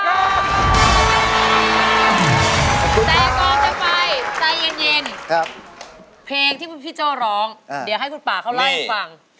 ใจกรอบใจไฟใจเย็นเพลงที่พี่โจ้ร้องเดี๋ยวให้คุณปลาเขาไล่ฟัง